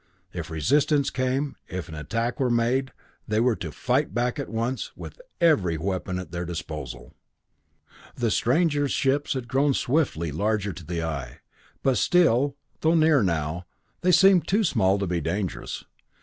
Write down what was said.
If resistance came, if an attack were made, they were to fight back at once, with every weapon at their disposal. The strangers' ships had grown swiftly larger to the eye, but still, though near now, they seemed too small to be dangerous.